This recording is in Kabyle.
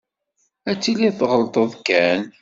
Ad tiliḍ tɣelṭeḍ kan.